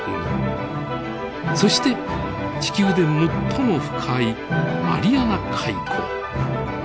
そして地球で最も深いマリアナ海溝。